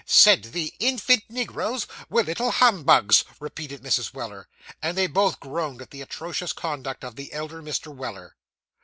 'Said the infant negroes were little humbugs,' repeated Mrs. Weller. And they both groaned at the atrocious conduct of the elder Mr. Weller.